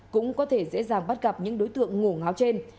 cũng có thể dễ dàng bắt gặp những đối tượng ngủ ngáo trên